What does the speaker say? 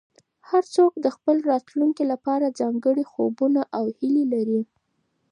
هر څوک د خپل راتلونکي لپاره ځانګړي خوبونه او هیلې لري.